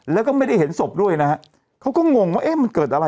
แล้วก็ไม่ได้เห็นศพด้วยนะ